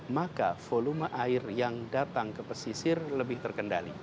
maka volume air yang datang ke pesisir lebih terkendali